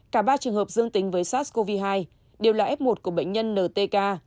cả ba trường hợp dương tính với sars cov hai đều là f một của bệnh nhân ntk